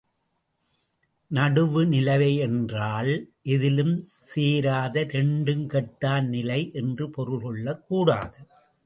நடுவு நிலை என்றால் எதிலும் சேராத இரண்டுங்கெட்டான் நிலை என்று பொருள் கொள்ளக் கூடாது.